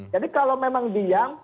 jadi kalau memang diam